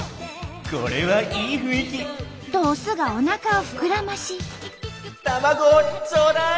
「これはいい雰囲気！」とオスがおなかを膨らまし「卵をちょうだい！！」。